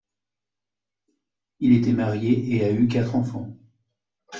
Il était marié et a eu quatre enfants.